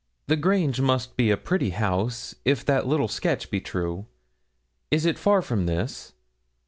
'The Grange must be a pretty house, if that little sketch be true; is it far from this?'